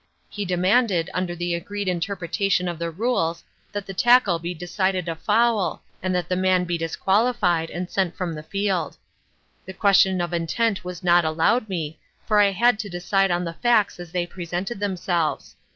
He demanded, under the agreed interpretation of the rules, that the tackle be decided a foul, and that the man be disqualified and sent from the field. The question of intent was not allowed me, for I had to decide on the facts as they presented themselves.